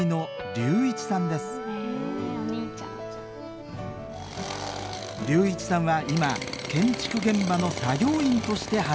龍一さんは今建築現場の作業員として働いています